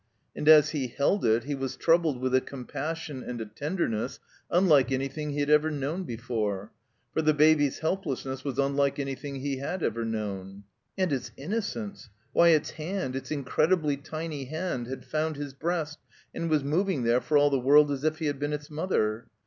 And as he held it he was troubled with a compassion and a tenderness tmlike anjrthing he had ever known before. For the Baby's hdplessness was unlike anjrthing he had ever known. And its innocence ! Why, its hand, its incredibly tiny hand, had fotmd his breast and was moving there for all the world as if he had been its mother.